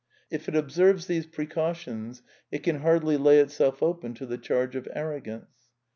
If it oteerves these precautions it can hardly lay itself open to the charge of arrogance.